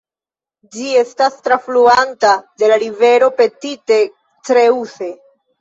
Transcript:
Ĝi estas trafluata de la rivero Petite Creuse.